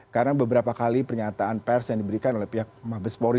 karena beberapa kali pernyataan pers yang diberikan oleh pihak mabespori